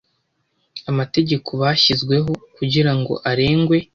Amategeko yashyizweho kugirango arengwe.